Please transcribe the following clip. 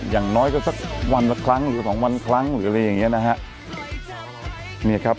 อย่างน้อยก็สักวันละครั้งหรือสองวันครั้งหรืออะไรอย่างเงี้นะฮะ